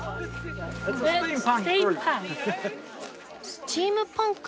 スチームパンク？